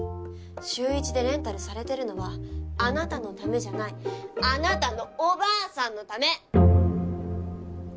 週１でレンタルされてるのはあなたのためじゃないあなたのおばあさんのため！